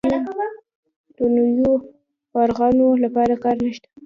د نویو فارغانو لپاره کار شته؟